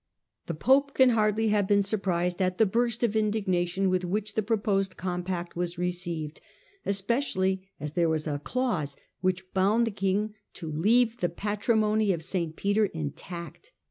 The pope can hardly have been surprised at the burst of indignation with which the proposed compact was received, especially as there was a clause which bound the king to leave the patrimony of St. Peter intact.